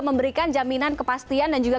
memberikan jaminan kepastian dan juga